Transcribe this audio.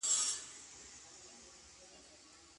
ښه انسان تل مرسته ورکوي